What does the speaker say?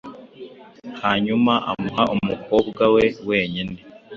Hanyuma amuha umukobwa we wenyine